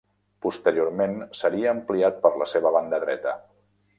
Posteriorment seria ampliat per la seva banda dreta.